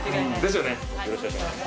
よろしくお願いします。